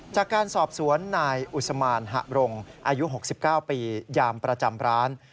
จากการสอบสวนนายอุศมานหะรงอายุ๖๙ปียามประจำร้าน